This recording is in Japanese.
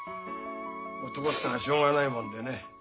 男ってのはしょうがないもんでね。